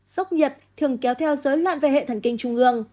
sốc nhiệt thường kéo theo dối loạn về hệ thần kinh trung ương